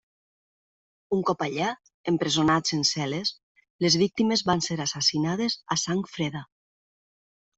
Un cop allà, empresonats en cel·les, les víctimes van ser assassinades a sang freda.